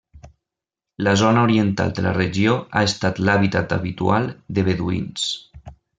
La zona oriental de la regió ha estat l'hàbitat habitual de beduïns.